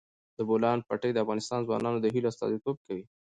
د بولان پټي د افغان ځوانانو د هیلو استازیتوب کوي.